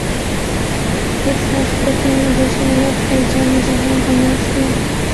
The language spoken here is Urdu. کس حرف پہ تو نے گوشۂ لب اے جان جہاں غماز کیا